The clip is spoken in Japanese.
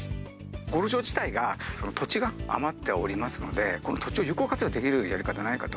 ゴルフ場自体が、土地が余っておりますので、この土地を有効活用できるやり方がないかと。